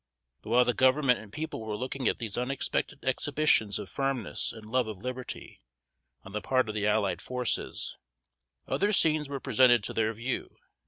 But while the Government and people were looking at these unexpected exhibitions of firmness and love of liberty, on the part of the allied forces, other scenes were presented to their view.